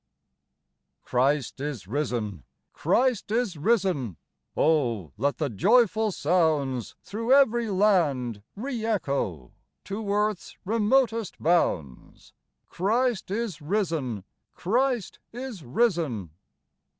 Christ is risen ! Christ is risen ! Oh, let the joyful sounds Through every land re echo, To earth's remotest bounds : Christ is risen ! Christ is risen